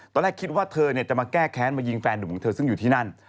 ตอนแรกคิดว่าเธอจะมาแก้แค้นมายิงแฟนหนุ่มของเธอซึ่งอยู่ที่นั่น